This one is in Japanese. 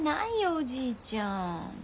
おじいちゃん。